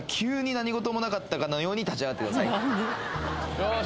よし。